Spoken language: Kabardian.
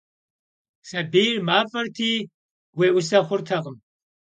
Sabiyr maf'eti, vuê'use xhurtekhım.